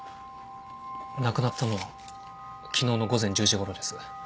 亡くなったのは昨日の午前１０時ごろです。